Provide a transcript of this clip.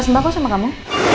kasem bagus sama kamu